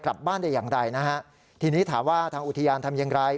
กลับบ้านได้อย่างใดนะฮะทีนี้ถามว่าทางอุทยานทำอย่างไร